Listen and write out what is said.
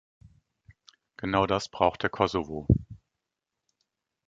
Genau das braucht der Kosovo.